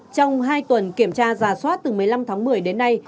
trong hai tuần kiểm tra giả soát từ một mươi năm tháng một mươi đến nay